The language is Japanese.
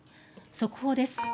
速報です。